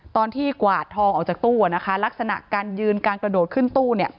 กวาดทองออกจากตู้ลักษณะการยืนการกระโดดขึ้นตู้